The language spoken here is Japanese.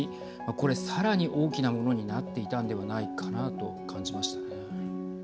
これ、さらに大きなものになっていたのではないかなと感じましたね。